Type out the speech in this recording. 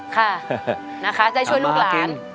ค่ะนะคะจะช่วยลูกหลาน